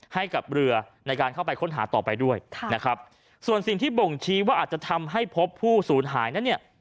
ให้กับเรือในการเข้าไปค้นหาต่อไปด้วยนะครับส่วนสิ่งที่บ่งชี้ว่าอาจจะทำให้พบผู้สูญหายนั้นเนี่ย